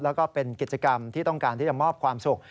แล้วก็เป็นกิจกรรมที่ต้องการที่จะมอบความสุข